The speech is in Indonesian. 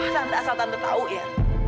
tante asal tante tau ya